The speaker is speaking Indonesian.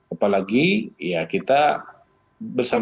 apalagi ya kita bersama